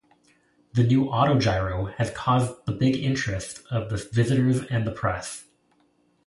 The new autogyro has caused the big interest of visitors and the press.